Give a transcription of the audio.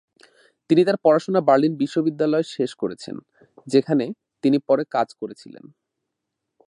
তিনি তার পড়াশোনা বার্লিন বিশ্ববিদ্যালয়ে শেষ করেছেন, যেখানে তিনি পরে কাজ করেছিলেন।